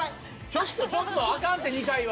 ちょっとちょっとあかんて２回は。